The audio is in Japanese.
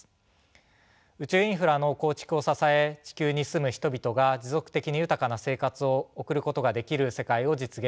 宇宙インフラの構築を支え地球に住む人々が持続的に豊かな生活を送ることができる世界を実現する。